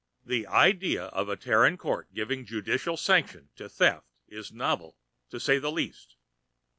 The idea of a Terran court giving judicial sanction to theft is novel, to say the least.